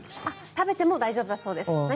食べても大丈夫だそうです。